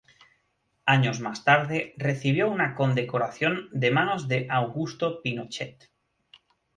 Años más tarde, recibió una condecoración de manos de Augusto Pinochet.